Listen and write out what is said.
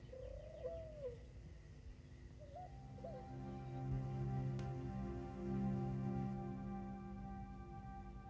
jangan sedih jangan luka